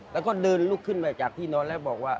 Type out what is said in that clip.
แล้วก็เดินลุกขึ้นมาจากที่นอนแล้วบอกว่า